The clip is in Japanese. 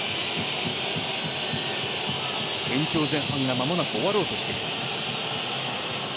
延長前半が間もなく終わろうとしています。